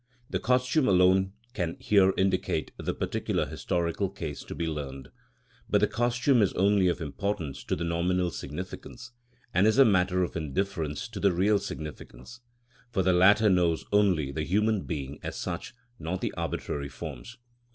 The costume alone can here indicate the particular historical case to the learned; but the costume is only of importance to the nominal significance, and is a matter of indifference to the real significance; for the latter knows only the human being as such, not the arbitrary forms.